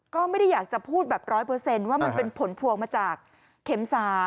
ก็ไม่ได้อยากจะพูดแบบ๑๐๐ว่ามันเป็นผลพวงมาจากเข็ม๓